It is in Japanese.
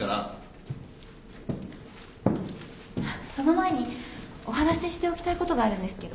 その前にお話しておきたいことがあるんですけど。